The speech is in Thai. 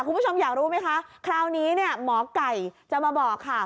คุณผู้ชมอยากรู้ไหมคะคราวนี้เนี่ยหมอไก่จะมาบอกค่ะ